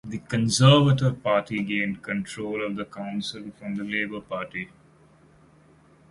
The Conservative Party gained control of the council from the Labour Party.